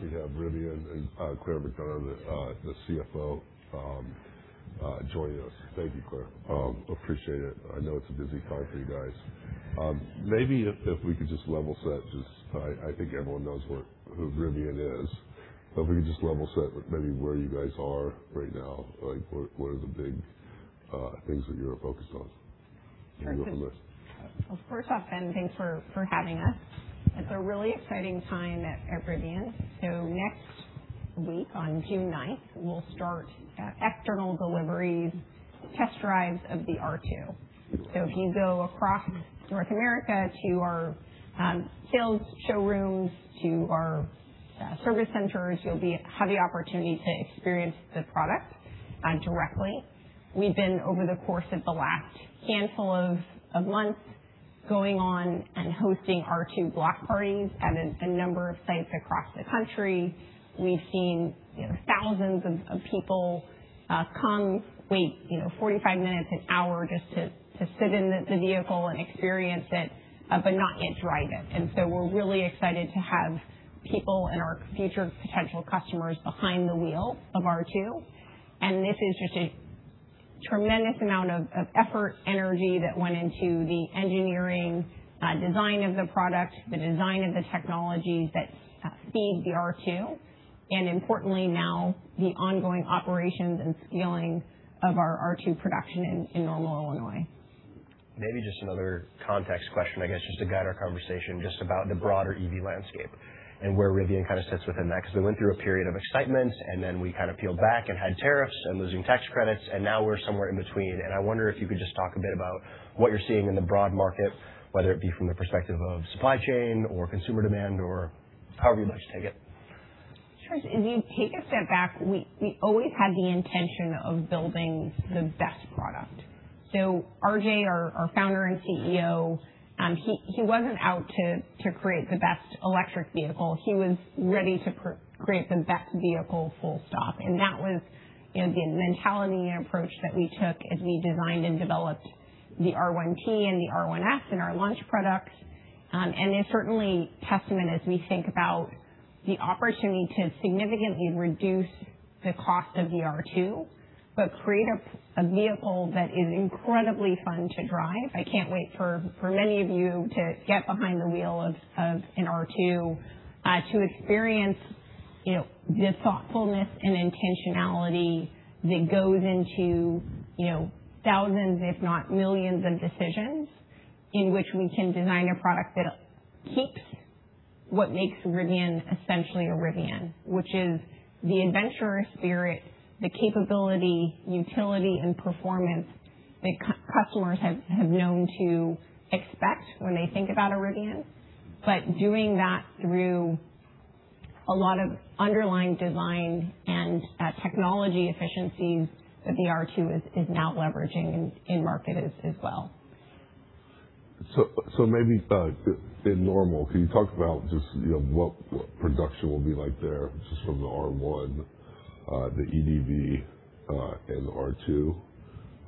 Very happy to have Rivian and Claire McDonough, the CFO, joining us. Thank you, Claire. Appreciate it. I know it's a busy time for you guys. Maybe if we could just level set, just I think everyone knows who Rivian is, but if we could just level set maybe where you guys are right now, what are the big things that you're focused on? You can go from there. Well, first off, Ben, thanks for having us. It's a really exciting time at Rivian. Next week, on June 9th, we'll start external deliveries, test drives of the R2. If you go across North America to our sales showrooms, to our service centers, you'll have the opportunity to experience the product directly. We've been, over the course of the last handful of months, going on and hosting R2 Block Parties at a number of sites across the country. We've seen thousands of people come wait 45 minutes, an hour, just to sit in the vehicle and experience it, but not yet drive it. We're really excited to have people and our future potential customers behind the wheel of R2. This is just a tremendous amount of effort, energy that went into the engineering, design of the product, the design of the technologies that feed the R2, and importantly now, the ongoing operations and scaling of our R2 production in Normal, Illinois. Maybe just another context question, I guess, just to guide our conversation just about the broader EV landscape and where Rivian sits within that. We went through a period of excitement, and then we peeled back and had tariffs and losing tax credits, and now we're somewhere in between. I wonder if you could just talk a bit about what you're seeing in the broad market, whether it be from the perspective of supply chain or consumer demand or however you'd like to take it. Sure. As you take a step back, we always had the intention of building the best product. RJ, our founder and CEO, he wasn't out to create the best electric vehicle. He was ready to create the best vehicle, full stop. That was the mentality and approach that we took as we designed and developed the R1T and the R1S and our launch products. Certainly testament as we think about the opportunity to significantly reduce the cost of the R2, but create a vehicle that is incredibly fun to drive. I can't wait for many of you to get behind the wheel of an R2 to experience the thoughtfulness and intentionality that goes into thousands, if not millions of decisions in which we can design a product that keeps what makes Rivian essentially a Rivian. Which is the adventurous spirit, the capability, utility, and performance that customers have known to expect when they think about a Rivian. Doing that through a lot of underlying design and technology efficiencies that the R2 is now leveraging in market as well. Maybe in Normal, can you talk about just what production will be like there just from the R1, the EDV, and the R2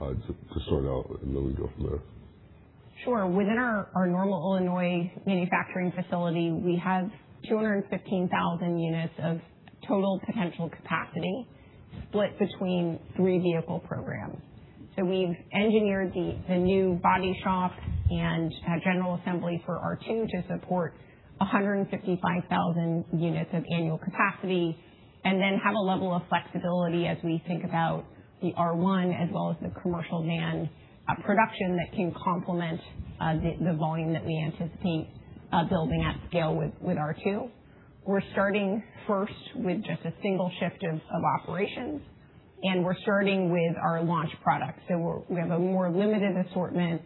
to start out, and then we go from there? Sure. Within our Normal, Illinois manufacturing facility, we have 215,000 units of total potential capacity split between three vehicle programs. We've engineered the new body shop and general assembly for R2 to support 155,000 units of annual capacity, and then have a level of flexibility as we think about the R1 as well as the commercial van production that can complement the volume that we anticipate building at scale with R2. We're starting first with just a single shift of operations, and we're starting with our launch product. We have a more limited assortment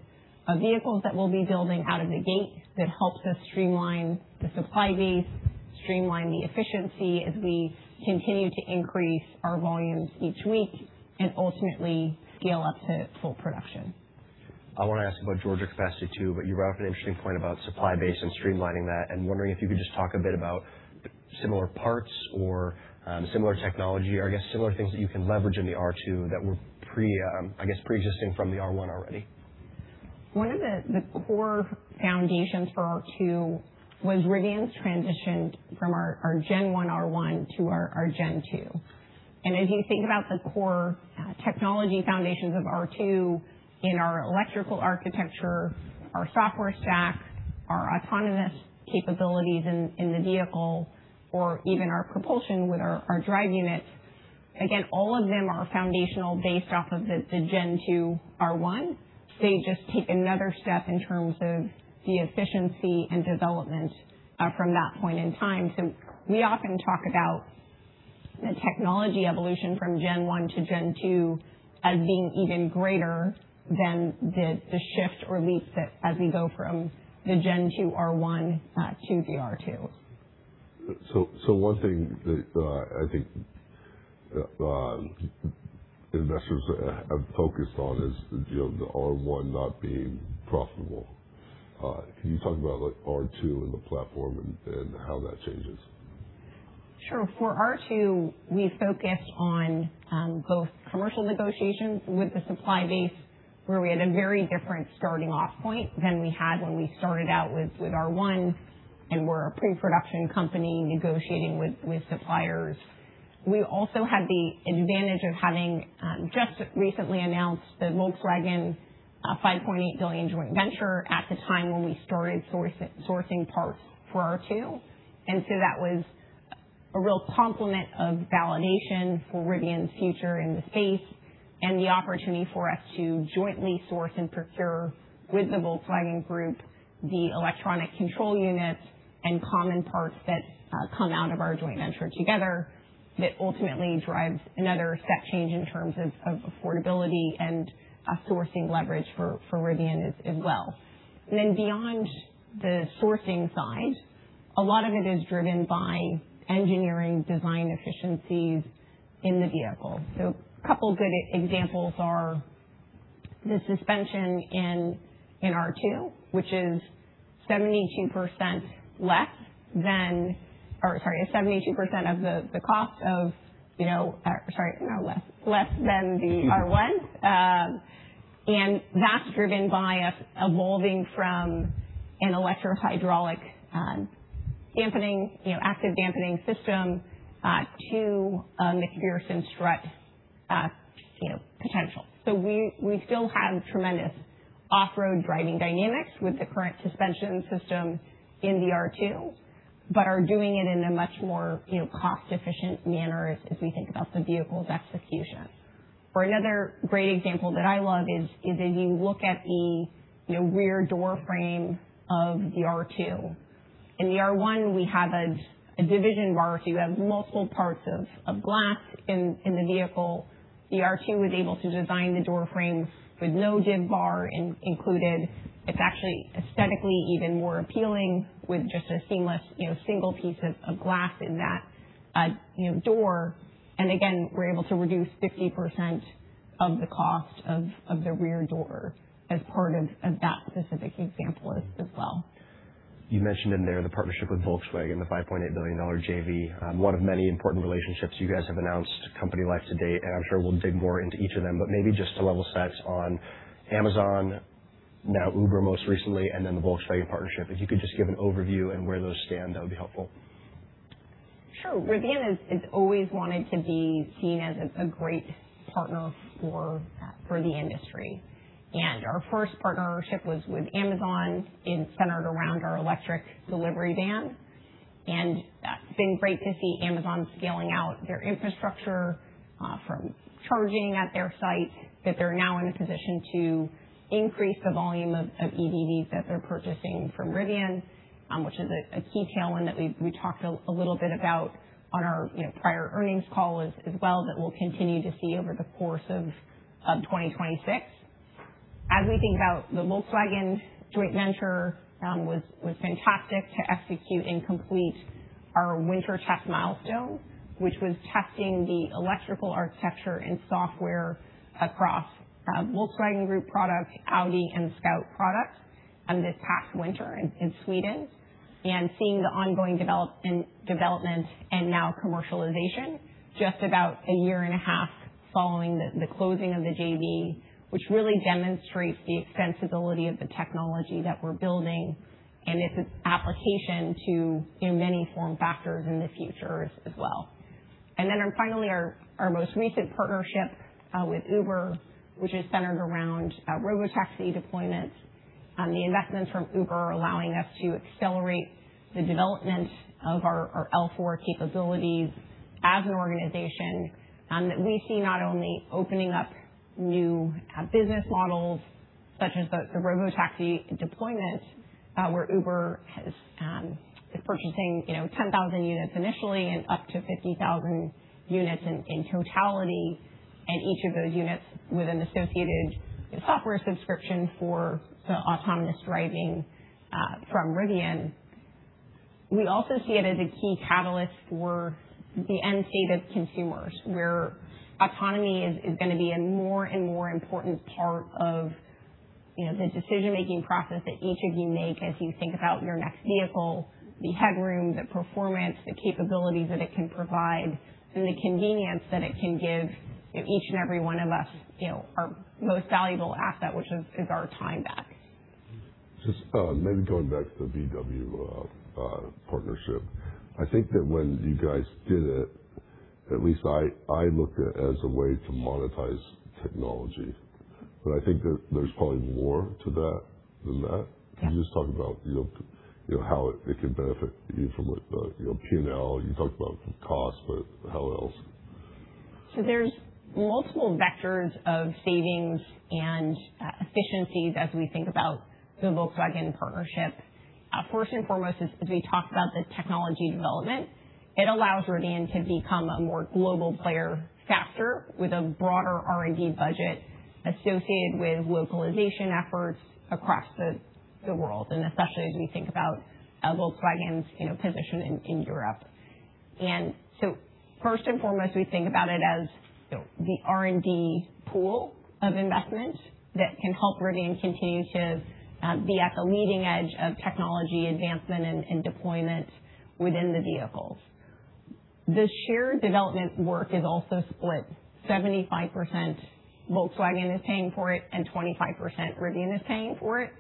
of vehicles that we'll be building out of the gate that helps us streamline the supply base, streamline the efficiency as we continue to increase our volumes each week and ultimately scale up to full production. I want to ask about Georgia capacity too, but you brought up an interesting point about supply base and streamlining that. I'm wondering if you could just talk a bit about similar parts or similar technology, or I guess similar things that you can leverage in the R2 that were pre-existing from the R1 already. One of the core foundations for R2 was Rivian's transitioned from our Gen 1 R1 to our Gen 2. As you think about the core technology foundations of R2 in our electrical architecture, our software stack, our autonomous capabilities in the vehicle, or even our propulsion with our drive units, again, all of them are foundational based off of the Gen 2 R1. They just take another step in terms of the efficiency and development from that point in time. We often talk about the technology evolution from Gen 1 to Gen 2 as being even greater than the shift or leap as we go from the Gen 2 R1 to the R2. One thing that I think investors have focused on is the R1 not being profitable. Can you talk about R2 and the platform and how that changes? Sure. For R2, we focused on both commercial negotiations with the supply base, where we had a very different starting off point than we had when we started out with R1 and were a pre-production company negotiating with suppliers. We also had the advantage of having just recently announced the Volkswagen $5.8 billion joint venture at the time when we started sourcing parts for R2. That was a real complement of validation for Rivian's future in the space and the opportunity for us to jointly source and procure with the Volkswagen Group, the electronic control units and common parts that come out of our joint venture together that ultimately drives another step change in terms of affordability and sourcing leverage for Rivian as well. Beyond the sourcing side, a lot of it is driven by engineering design efficiencies in the vehicle. A couple good examples are the suspension in R2, which is 72% less than, or sorry, 72% of the cost of, sorry, not less. Less than the R1. That's driven by us evolving from an electrohydraulic active damping system, to MacPherson strut potential. We still have tremendous off-road driving dynamics with the current suspension system in the R2, but are doing it in a much more cost-efficient manner as we think about the vehicle's execution. Another great example that I love is if you look at the rear door frame of the R2. In the R1, we have a division bar, so you have multiple parts of glass in the vehicle. The R2 was able to design the door frames with no div bar included. It's actually aesthetically even more appealing with just a seamless single piece of glass in that door. Again, we're able to reduce 50% of the cost of the rear door as part of that specific example as well. You mentioned in there the partnership with Volkswagen, the $5.8 billion JV, one of many important relationships you guys have announced company-wide to date. I'm sure we'll dig more into each of them. Maybe just to level set on Amazon, now Uber most recently, then the Volkswagen partnership. If you could just give an overview and where those stand, that would be helpful. Sure. Rivian has always wanted to be seen as a great partner for the industry. Our first partnership was with Amazon. It's centered around our Electric Delivery Van, and it's been great to see Amazon scaling out their infrastructure from charging at their site, that they're now in a position to increase the volume of EDVs that they're purchasing from Rivian, which is a key tailwind that we talked a little bit about on our prior earnings call as well, that we'll continue to see over the course of 2026. As we think about the Volkswagen joint venture, was fantastic to execute and complete our winter test milestone, which was testing the electrical architecture and software across Volkswagen Group products, Audi and Scout products this past winter in Sweden. Seeing the ongoing development and now commercialization, just about a year and a half following the closing of the JV, which really demonstrates the extensibility of the technology that we're building and its application to many form factors in the future as well. Finally, our most recent partnership with Uber, which is centered around robotaxi deployment. The investment from Uber allowing us to accelerate the development of our L4 capabilities as an organization that we see not only opening up new business models such as the robotaxi deployment, where Uber is purchasing 10,000 units initially and up to 50,000 units in totality. Each of those units with an associated software subscription for the autonomous driving from Rivian. We also see it as a key catalyst for the end state of consumers, where autonomy is going to be a more and more important part of the decision-making process that each of you make as you think about your next vehicle, the headroom, the performance, the capabilities that it can provide and the convenience that it can give each and every one of us our most valuable asset, which is our time back. Just maybe going back to the Volkswagen partnership. I think that when you guys did it, at least I looked at it as a way to monetize technology. I think there's probably more to that than that. Yeah. Can you just talk about how it could benefit you from a P&L? You talked about the cost, but how else? There's multiple vectors of savings and efficiencies as we think about the Volkswagen partnership. First and foremost is, as we talked about the technology development. It allows Rivian to become a more global player faster with a broader R&D budget associated with localization efforts across the world, and especially as we think about Volkswagen's position in Europe. First and foremost, we think about it as the R&D pool of investment that can help Rivian continue to be at the leading edge of technology advancement and deployment within the vehicles. The shared development work is also split 75% Volkswagen is paying for it, and 25% Rivian is paying for it.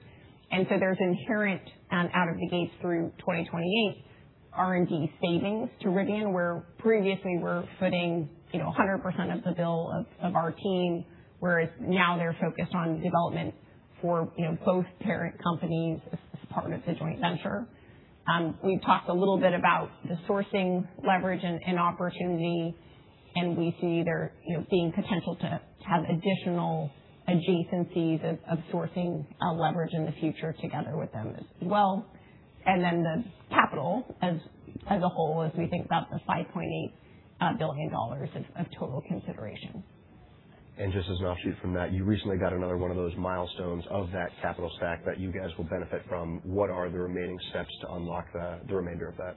There's inherent, out of the gates through 2028, R&D savings to Rivian, where previously we're footing 100% of the bill of our team, whereas now they're focused on development for both parent companies as part of the joint venture. We've talked a little bit about the sourcing leverage and opportunity, we see there being potential to have additional adjacencies of sourcing leverage in the future together with them as well. The capital as a whole, as we think about the $5.8 billion of total consideration. Just as an offshoot from that, you recently got another one of those milestones of that capital stack that you guys will benefit from. What are the remaining steps to unlock the remainder of that?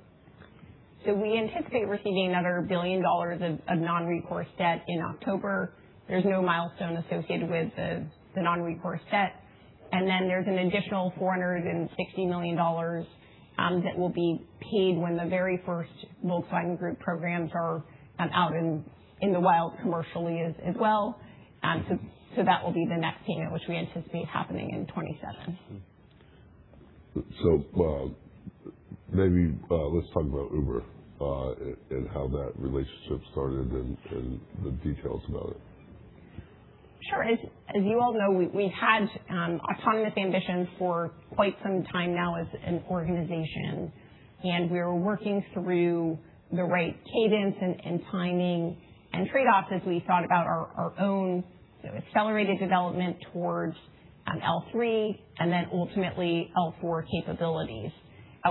We anticipate receiving another $1 billion of non-recourse debt in October. There's no milestone associated with the non-recourse debt. There's an additional $460 million that will be paid when the very first Volkswagen Group programs are out in the wild commercially as well. That will be the next payment, which we anticipate happening in 2027. Maybe let's talk about Uber, and how that relationship started and the details about it. Sure. As you all know, we've had autonomous ambition for quite some time now as an organization. We are working through the right cadence and timing and trade-offs as we thought about our own accelerated development towards L3 and then ultimately L4 capabilities.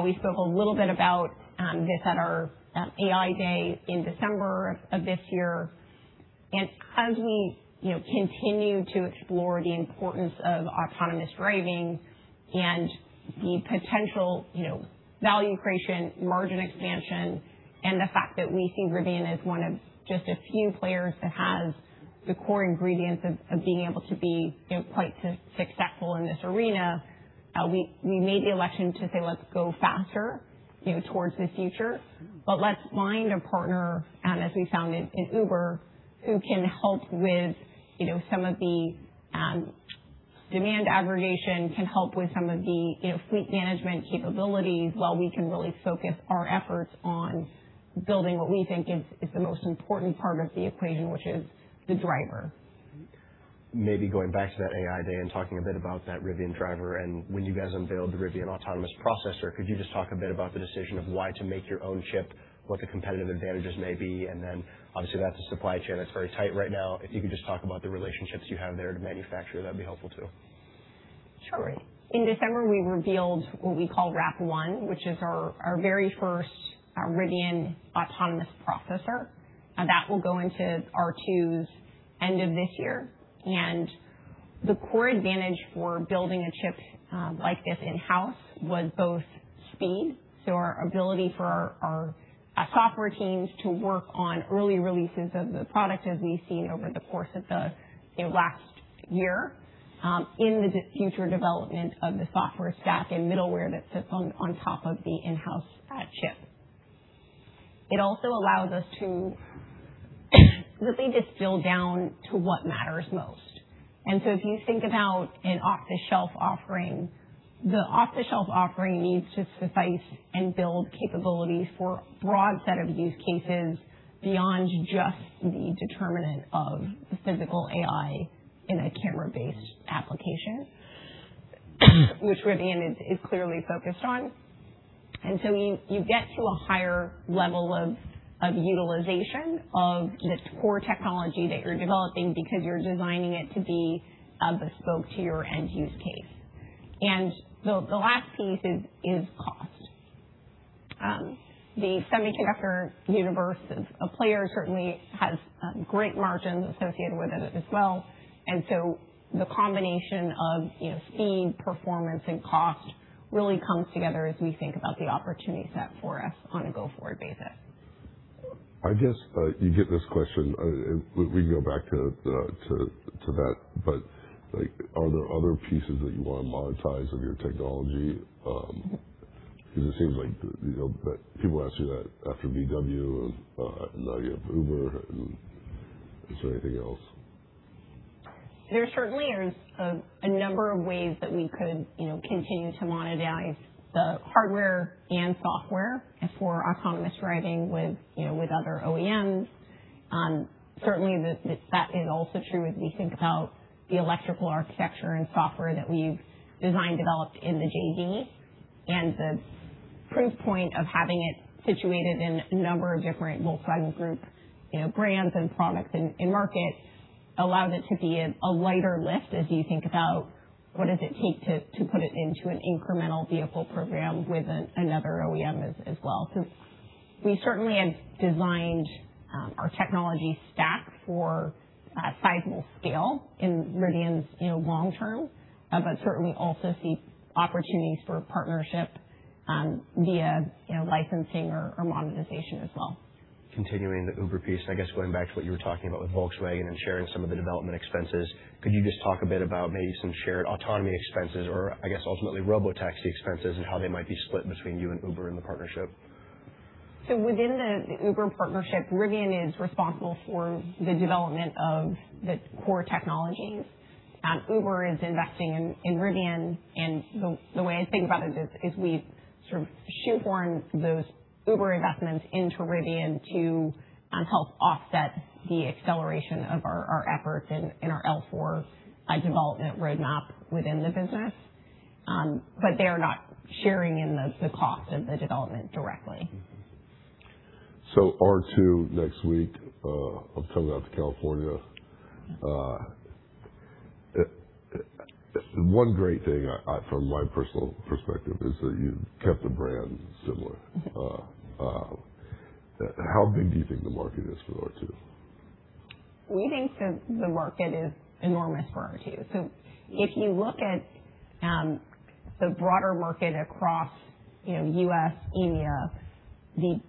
We spoke a little bit about this at our AI Day in December of this year. As we continue to explore the importance of autonomous driving and the potential value creation, margin expansion, and the fact that we see Rivian as one of just a few players that has the core ingredients of being able to be quite successful in this arena, we made the election to say, let's go faster towards the future, but let's find a partner, as we found in Uber, who can help with some of the demand aggregation, can help with some of the fleet management capabilities, while we can really focus our efforts on building what we think is the most important part of the equation, which is the driver. Maybe going back to that AI Day and talking a bit about that Rivian Autonomy Processor and when you guys unveiled the Rivian Autonomy Processor, could you just talk a bit about the decision of why to make your own chip, what the competitive advantages may be, and then obviously, that's a supply chain that's very tight right now. If you could just talk about the relationships you have there to manufacture, that'd be helpful too? Sure. In December, we revealed what we call RAP1, which is our very first Rivian Autonomy Processor. That will go into R2s end of this year. The core advantage for building a chip like this in-house was both speed, so our ability for our software teams to work on early releases of the product, as we've seen over the course of the last year, in the future development of the software stack and middleware that sits on top of the in-house chip. It also allows us to really distill down to what matters most. If you think about an off-the-shelf offering, the off-the-shelf offering needs to suffice and build capabilities for a broad set of use cases beyond just the determinant of the physical AI in a camera-based application, which Rivian is clearly focused on. You get to a higher level of utilization of this core technology that you're developing because you're designing it to be bespoke to your end use case. The last piece is cost. The semiconductor universe as a player certainly has great margins associated with it as well. The combination of speed, performance, and cost really comes together as we think about the opportunity set for us on a go-forward basis. I guess, you get this question, we can go back to that, are there other pieces that you want to monetize of your technology? It seems like people ask you that after Volkswagen, and now you have Uber. Is there anything else? There certainly is a number of ways that we could continue to monetize the hardware and software for autonomous driving with other OEMs. Certainly, that is also true as we think about the electrical architecture and software that we've designed, developed in the JV. The proof point of having it situated in a number of different Volkswagen Group brands and products in market allows it to be a lighter lift as you think about what does it take to put it into an incremental vehicle program with another OEM as well. We certainly have designed our technology stack for sizable scale in Rivian's long term, but certainly also see opportunities for partnership via licensing or monetization as well. Continuing the Uber piece, I guess going back to what you were talking about with Volkswagen and sharing some of the development expenses, could you just talk a bit about maybe some shared autonomy expenses or I guess ultimately robotaxi expenses and how they might be split between you and Uber in the partnership? Within the Uber partnership, Rivian is responsible for the development of the core technologies. Uber is investing in Rivian, and the way I think about it is we've sort of shoehorned those Uber investments into Rivian to help offset the acceleration of our efforts in our L4 development roadmap within the business. They are not sharing in the cost of the development directly. R2 next week, I'm coming out to California. One great thing from my personal perspective is that you've kept the brand similar. How big do you think the market is for R2? We think the market is enormous for R2. If you look at the broader market across U.S., EMEA, the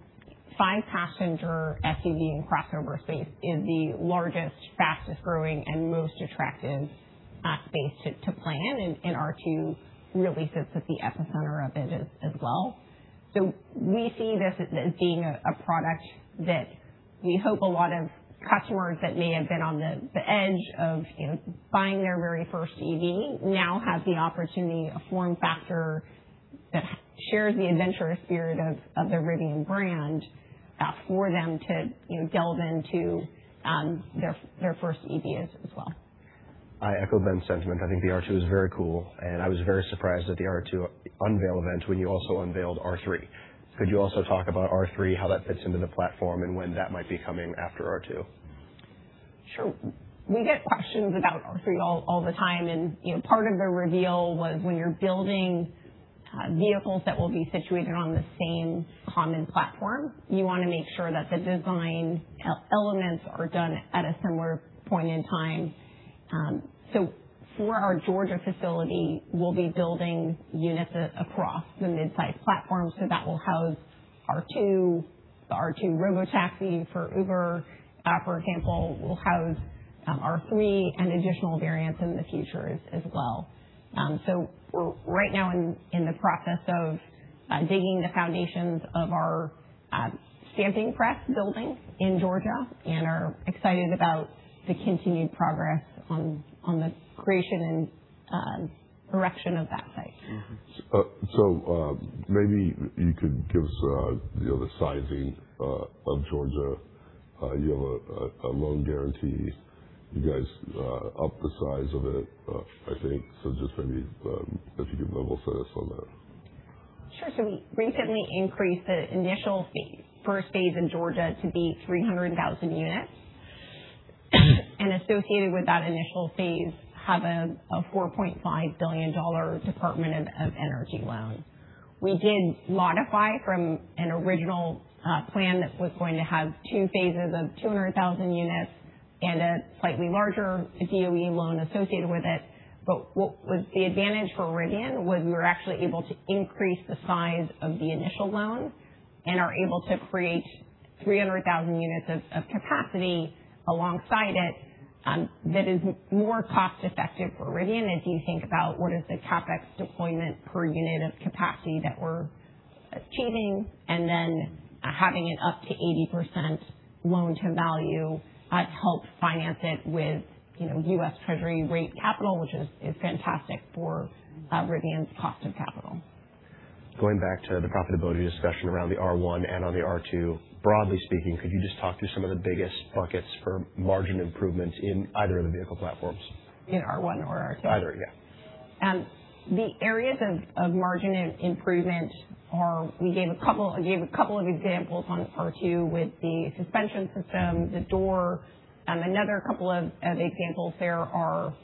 five-passenger SUV and crossover space is the largest, fastest growing, and most attractive space to plan, and R2 really sits at the epicenter of it as well. We see this as being a product that we hope a lot of customers that may have been on the edge of buying their very first EV now have the opportunity, a form factor that shares the adventurous spirit of the Rivian brand for them to delve into their first EVs as well. I echo Ben's sentiment. I think the R2 is very cool. I was very surprised at the R2 unveil event when you also unveiled R3. Could you also talk about R3, how that fits into the platform, and when that might be coming after R2? Sure. We get questions about R3 all the time. Part of the reveal was when you're building vehicles that will be situated on the same common platform, you want to make sure that the design elements are done at a similar point in time. For our Georgia facility, we'll be building units across the midsize platform. That will house R2, the R2 robotaxi for Uber, for example, will house R3 and additional variants in the future as well. We're right now in the process of digging the foundations of our stamping press building in Georgia and are excited about the continued progress on the creation and erection of that site. Maybe you could give us the sizing of Georgia. You have a loan guarantee. You guys upped the size of it, I think. Just maybe if you could level us on that. Sure. We recently increased the initial first phase in Georgia to be 300,000 units. Associated with that initial phase have a $4.5 billion Department of Energy loan. We did modify from an original plan that was going to have two phases of 200,000 units and a slightly larger DOE loan associated with it. What was the advantage for Rivian was we were actually able to increase the size of the initial loan and are able to create 300,000 units of capacity alongside it that is more cost effective for Rivian as you think about what is the CapEx deployment per unit of capacity that we're achieving and then having an up to 80% loan to value to help finance it with U.S. Treasury rate capital, which is fantastic for Rivian's cost of capital. Going back to the profitability discussion around the R1 and on the R2, broadly speaking, could you just talk through some of the biggest buckets for margin improvements in either of the vehicle platforms? In R1 or R2? Either, yeah. The areas of margin improvement are, we gave a couple of examples on R2 with the suspension system, the door. Another couple of examples there are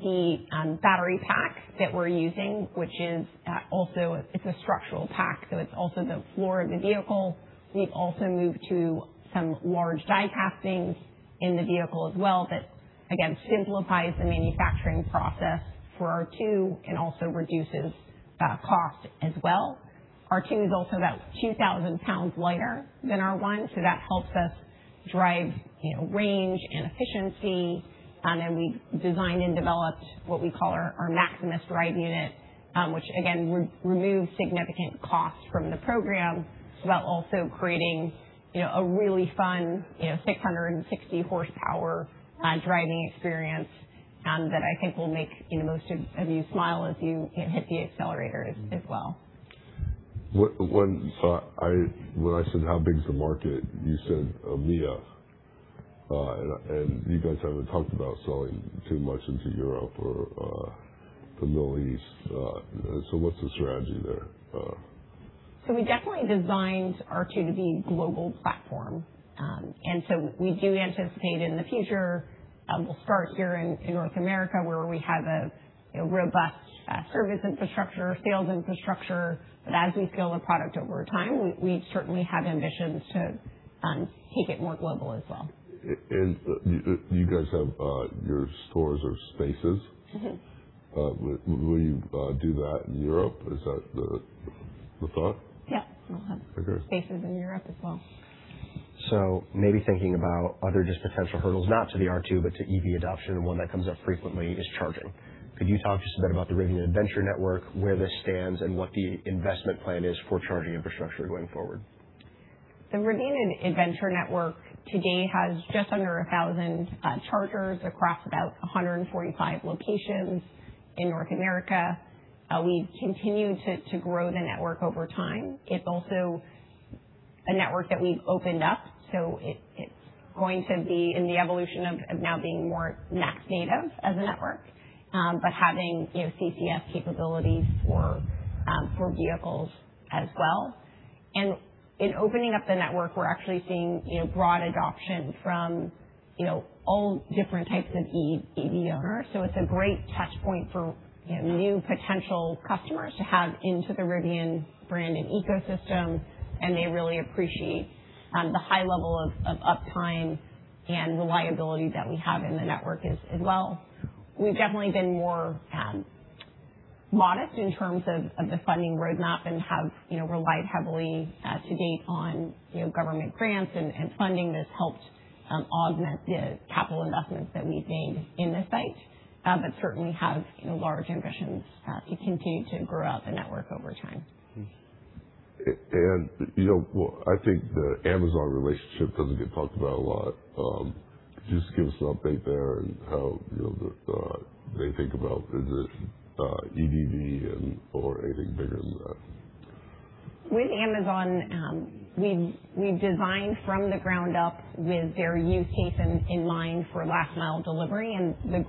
the battery pack that we're using, which is also a structural pack, so it's also the floor of the vehicle. We've also moved to some large die castings in the vehicle as well. That, again, simplifies the manufacturing process for R2 and also reduces cost as well. R2 is also about 2,000 pounds lighter than R1, so that helps us drive range and efficiency. We designed and developed what we call our Maximus ride unit, which again, removes significant cost from the program while also creating a really fun, 660 horsepower driving experience that I think will make most of you smile as you hit the accelerator as well. When I said how big is the market, you said EMEA, and you guys haven't talked about selling too much into Europe or the Middle East. What's the strategy there? We definitely designed R2 to be global platform. We do anticipate in the future, we'll start here in North America, where we have a robust service infrastructure, sales infrastructure. As we scale the product over time, we certainly have ambitions to take it more global as well. You guys have your stores or spaces. Will you do that in Europe? Is that the thought? Yeah. Okay. We'll have spaces in Europe as well. Maybe thinking about other just potential hurdles, not to the R2, but to EV adoption. One that comes up frequently is charging. Could you talk just a bit about the Rivian Adventure Network, where this stands, and what the investment plan is for charging infrastructure going forward? The Rivian Adventure Network today has just under 1,000 chargers across about 145 locations in North America. We continue to grow the network over time. It's also a network that we've opened up, so it's going to be in the evolution of now being more NACS native as a network, but having CCS capabilities for vehicles as well. In opening up the network, we're actually seeing broad adoption from all different types of EV owners. It's a great touch point for new potential customers to have into the Rivian brand and ecosystem, and they really appreciate the high level of uptime and reliability that we have in the network as well. We've definitely been more modest in terms of the funding roadmap and have relied heavily to date on government grants and funding that's helped augment the capital investments that we've made in this space. Certainly have large ambitions to continue to grow out the network over time. I think the Amazon relationship doesn't get talked about a lot. Just give us an update there and how they think about this EDV or anything bigger than that. With Amazon, we've designed from the ground up with their use case in mind for last mile delivery. The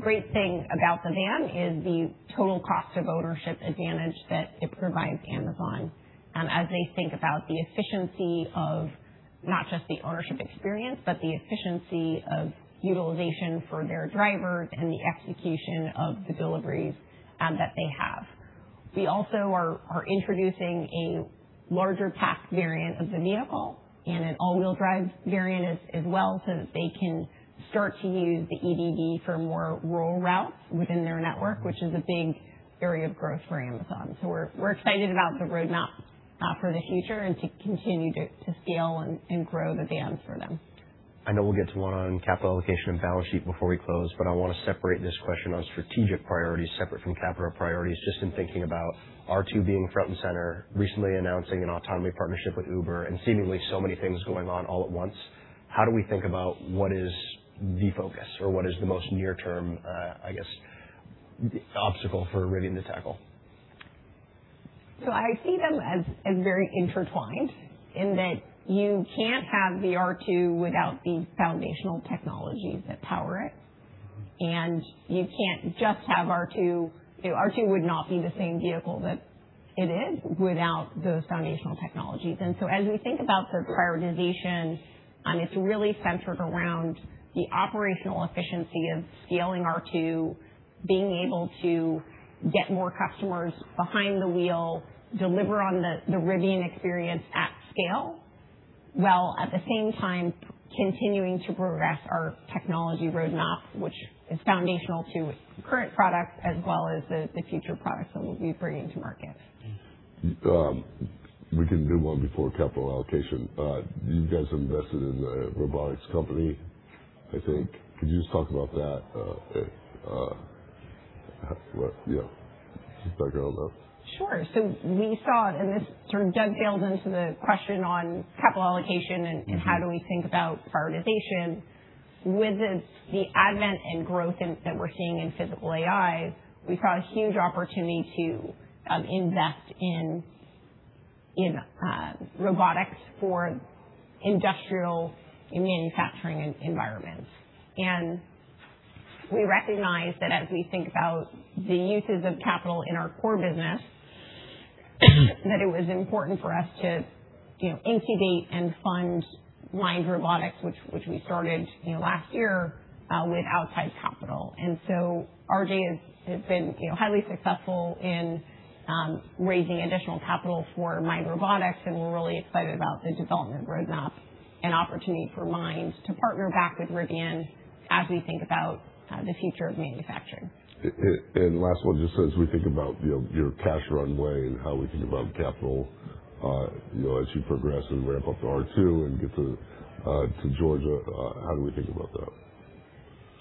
great thing about the van is the total cost of ownership advantage that it provides Amazon as they think about the efficiency of not just the ownership experience, but the efficiency of utilization for their drivers and the execution of the deliveries that they have. We also are introducing a larger pack variant of the vehicle and an all-wheel drive variant as well, so that they can start to use the EDV for more rural routes within their network, which is a big area of growth for Amazon. We're excited about the roadmap for the future and to continue to scale and grow the vans for them. I know we'll get to one on capital allocation and balance sheet before we close. I want to separate this question on strategic priorities separate from capital priorities, just in thinking about R2 being front and center, recently announcing an autonomy partnership with Uber, and seemingly so many things going on all at once. How do we think about what is the focus or what is the most near term, I guess, obstacle for Rivian to tackle? I see them as very intertwined in that you can't have the R2 without the foundational technologies that power it, and you can't just have R2. R2 would not be the same vehicle that it is without those foundational technologies. As we think about the prioritization, it's really centered around the operational efficiency of scaling R2, being able to get more customers behind the wheel, deliver on the Rivian experience at scale, while at the same time continuing to progress our technology roadmap, which is foundational to current products as well as the future products that we'll be bringing to market. We can do one before capital allocation. You guys have invested in a robotics company, I think. Could you just talk about that, just background on that? Sure. We saw, and this sort of dovetails into the question on capital allocation and how do we think about prioritization. With the advent and growth that we're seeing in physical AI, we saw a huge opportunity to invest in robotics for industrial manufacturing environments. We recognize that as we think about the uses of capital in our core business, that it was important for us to incubate and fund Mind Robotics, which we started last year with outside capital. RJ has been highly successful in raising additional capital for Mind Robotics, and we're really excited about the development roadmap and opportunity for Mind to partner back with Rivian as we think about the future of manufacturing. Last one, just as we think about your cash runway and how we think about capital as you progress and ramp up the R2 and get to Georgia, how do we think about that?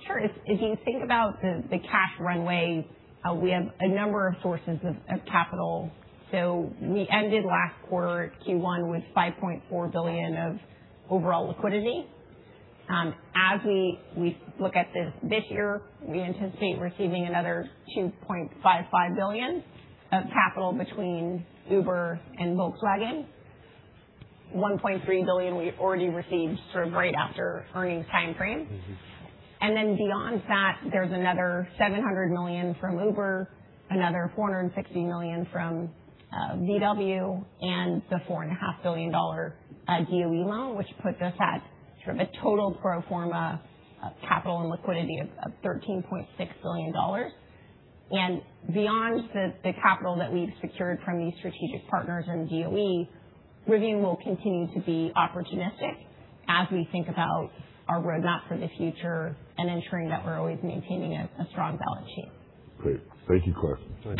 Sure. If you think about the cash runway, we have a number of sources of capital. We ended last quarter at Q1 with $5.4 billion of overall liquidity. As we look at this year, we anticipate receiving another $2.55 billion of capital between Uber and Volkswagen. $1.3 billion we already received sort of right after earnings timeframe. Beyond that, there's another $700 million from Uber, another $460 million from Volkswagen, and the $4.5 billion DOE loan, which puts us at sort of a total pro forma capital and liquidity of $13.6 billion. Beyond the capital that we've secured from these strategic partners and DOE, Rivian will continue to be opportunistic as we think about our roadmap for the future and ensuring that we're always maintaining a strong balance sheet. Great. Thank you Claire.